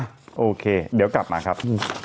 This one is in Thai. โอเคเดี๋ยวกลับมาครับ